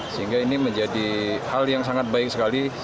sehingga ini menjadi hal yang sangat baik sekali